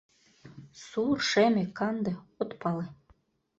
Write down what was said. Сур, шеме, канде — от пале.